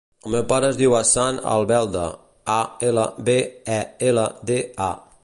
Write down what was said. El meu pare es diu Hassan Albelda: a, ela, be, e, ela, de, a.